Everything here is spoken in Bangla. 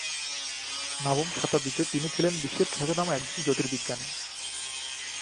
নবম শতাব্দীতে তিনি ছিলেন বিশ্বের খ্যাতনামা একজন জ্যোতির্বিজ্ঞানী।